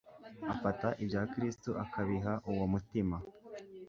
Afata ibya Kristo akabiha uwo mutima.